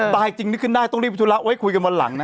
ตายจริงนึกขึ้นได้ต้องรีบธุระไว้คุยกันวันหลังนะ